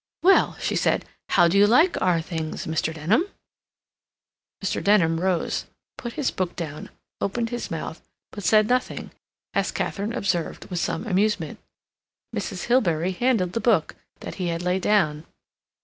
"Well," she said, "how do you like our things, Mr. Denham?" Mr. Denham rose, put his book down, opened his mouth, but said nothing, as Katharine observed, with some amusement. Mrs. Hilbery handled the book he had laid down.